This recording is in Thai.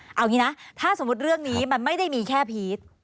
เอาอย่างนี้นะถ้าสมมุติเรื่องนี้มันไม่ได้มีแค่พีช